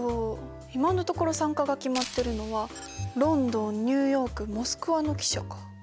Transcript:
今のところ参加が決まってるのはロンドンニューヨークモスクワの記者か。